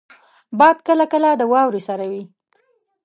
باد کله کله د واورې سره وي